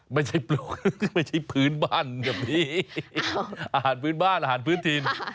ไม่ใช่ปลวกไม่ใช่พื้นบ้านแบบนี้อาหารพื้นบ้านอาหารพื้นถิ่น